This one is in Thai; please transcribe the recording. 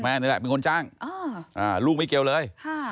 นี่แหละเป็นคนจ้างลูกไม่เกี่ยวเลย